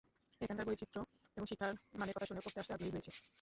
এখানকার বৈচিত্র্য এবং শিক্ষার মানের কথা শুনে পড়তে আসতে আগ্রহী হয়েছি।